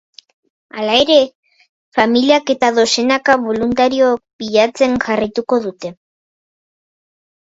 Hala ere, familiak eta dozenaka boluntariok bilatzen jarraituko dute.